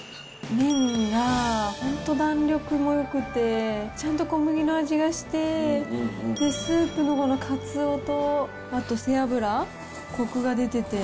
麺が本当、弾力もよくて、ちゃんと小麦の味がして、スープのこのカツオとあと背脂、こくが出てて。